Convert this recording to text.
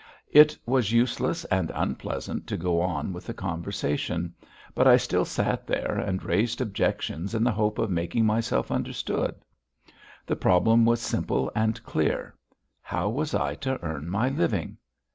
It was useless and unpleasant to go on with the conversation, but I still sat there and raised objections in the hope of making myself understood. The problem was simple and clear: how was I to earn my living?